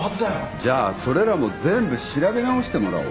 じゃあそれらも全部調べ直してもらおう。